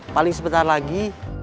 paling sebentar lagi